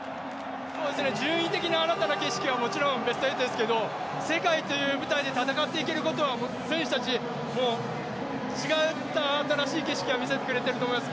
順位的に新たな景色はもちろんベスト８ですけど世界という舞台で戦っていけることを選手たち、違った新しい景色は見せてくれてるとおもます。